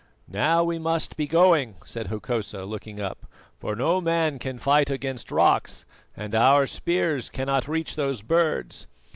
"Now we must be going," said Hokosa, looking up, "for no man can fight against rocks, and our spears cannot reach those birds.